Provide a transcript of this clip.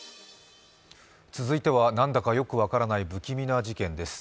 続いては何だかよく分からない不気味な事件です。